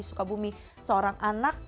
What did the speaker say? di kota bumi seorang anak